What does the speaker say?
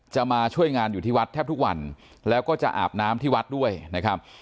มาช่วยงานอยู่ที่วัดแทบทุกวันแล้วก็จะอาบน้ำที่วัดด้วยนะครับ